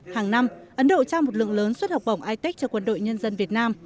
hàng năm ấn độ trao một lượng lớn suất học bổng itec cho quân đội nhân dân việt nam